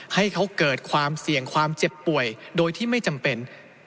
ให้เขาเกิดความเสี่ยงความเจ็บป่วยโดยที่ไม่จำเป็น